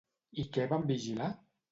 I què van vigilar?